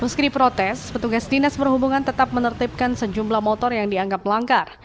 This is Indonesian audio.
meskipun protes petugas dinas perhubungan tetap menertipkan sejumlah motor yang dianggap melanggar